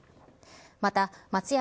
また松屋